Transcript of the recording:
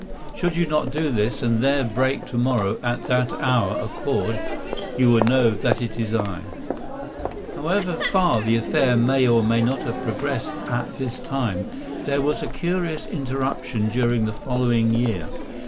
… Should you not do this, and there break to morrow at that hour a chord, you will know that it is I." [Illustration: Clara Schumann at the piano.] However far the affair may or may not have progressed at this time, there was a curious interruption during the following year.